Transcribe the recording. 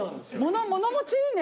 物持ちいいね。